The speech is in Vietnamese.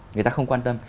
người ta không quan tâm